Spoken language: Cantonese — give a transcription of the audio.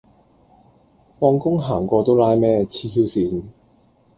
放工行過都拉咩，痴 Q 線